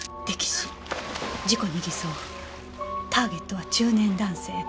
事故に偽装」「ターゲットは中年男性。